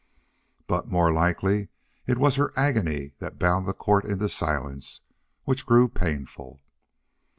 But, more likely, it was her agony that bound the court into silence which grew painful.